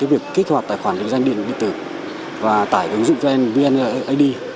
việc kích hoạt tài khoản định danh điện tử và tải ứng dụng vneid